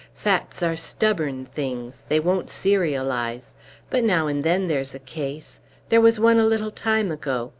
Facts are stubborn things; they won't serialize. But now and then there's a case. There was one a little time ago.